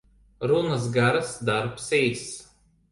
Runas garas, darbs īss.